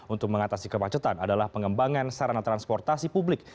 untuk mengatasi kemacetan adalah pengembangan sarana transportasi publik